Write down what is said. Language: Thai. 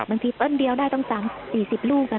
บางทีต้นเดียวได้ตั้งสามสี่สิบลูกอะค่ะ